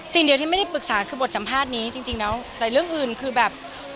เดียวที่ไม่ได้ปรึกษาคือบทสัมภาษณ์นี้จริงแล้วแต่เรื่องอื่นคือแบบ